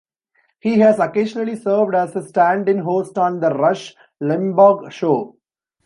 He has occasionally served as a stand-in host on "The Rush Limbaugh Show".